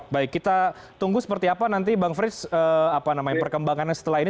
baik kita tunggu seperti apa nanti bang frits perkembangannya setelah ini